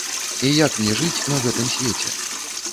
І як мне жыць на гэтым свеце?